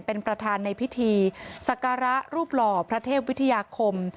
เป็นประธานในพิธีสักการะรูปหล่อพระเทพวิทยาคม